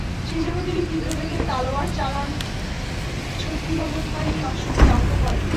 সেজন্য তিনি তীব্রবেগে তলোয়ার চালান শত্রুবহনকারী অশ্বকে লক্ষ্য করে।